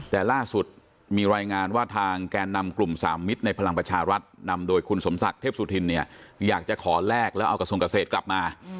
แต่ล่าสุดมีรายงานว่าทางแกนนำกลุ่มสามมิตรในพลังประชารัฐนำโดยคุณสมศักดิ์เทพสุธินเนี่ยอยากจะขอแลกแล้วเอากระทรวงเกษตรกลับมา